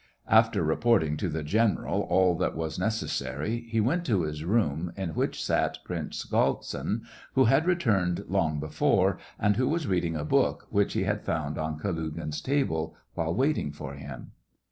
After reporting to the general all that was necessary, he went to his room, in which sat Prince Galtsin, who had returned long before, and who was reading a book, which he had found on Kalugin's table, while waiting for him.